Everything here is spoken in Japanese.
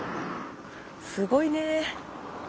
すごいね。